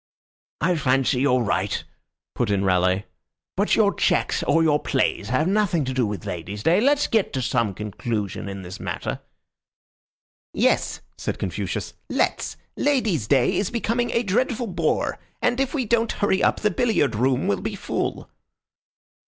"I fancy you're right," put in Raleigh. "But your checks or your plays have nothing to do with ladies' day. Let's get to some conclusion in this matter." "Yes," said Confucius. "Let's. Ladies' day is becoming a dreadful bore, and if we don't hurry up the billiard room will be full."